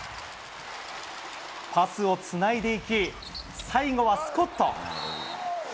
パスをつないでいき、最後はスコット。